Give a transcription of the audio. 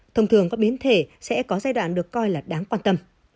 thông thường các biến thể sẽ có giai đoạn được coi là đáng quan tâm